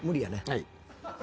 はい。